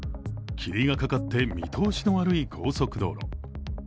霧がかかって見通しの悪い高速道路。